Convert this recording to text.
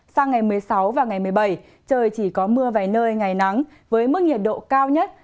sang ngày một mươi sáu và ngày một mươi bảy trời chỉ có mưa vài nơi ngày nắng với mức nhiệt độ cao nhất